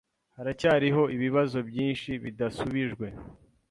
Haracyariho ibibazo byinshi bidasubijwe.